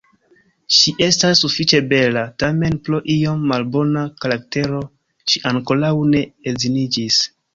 Ŝi estas sufiĉe bela, tamen pro iom malbona karaktero ŝi ankoraŭ ne edziniĝis.